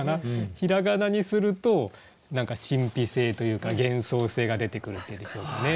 平仮名にすると何か神秘性というか幻想性が出てくるっていうんでしょうかね。